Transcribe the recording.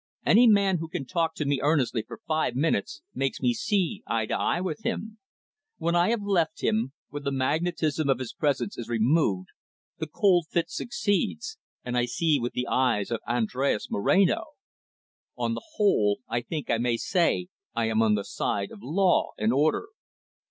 Any man who can talk to me earnestly for five minutes makes me see eye to eye with him. When I have left him, when the magnetism of his presence is removed, the cold fit succeeds, and I see with the eye of Andres Moreno. On the whole, I think I may say I am on the side of law and order."